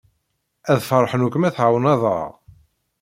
Ad feṛḥen akk ma tɛawneḍ-aɣ.